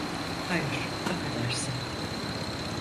Hayır, affedersin.